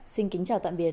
xin kính chào tạm biệt